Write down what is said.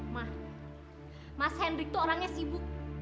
ma mas hendrik tuh orangnya sibuk